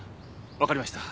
わかりました。